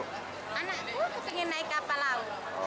anak pengen naik kapal laut